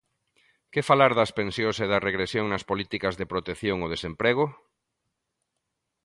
Que falar das pensións e da regresión nas políticas de protección ao desemprego?